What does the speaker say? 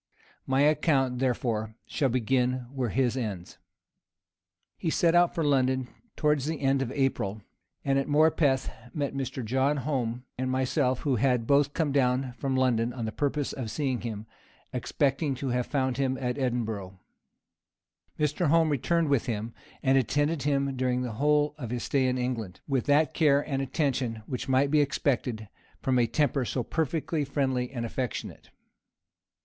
My account, therefore, shall begin where his ends. He set out for London towards the end of April, and at Morpeth met with Mr. John Home and myself, who had both come down from London on purpose to see him, expecting to have found him at Edinburgh. Mr. Home returned with him, and attended him during the whole of his stay in England, with that care and attention which might be expected from a temper so perfectly friendly and affectionate.